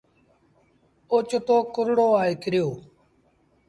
اوچتو ڪُرڙو آئي ڪريو۔